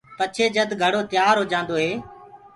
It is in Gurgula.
پڇي جد گھڙو تير هوجآندو هي،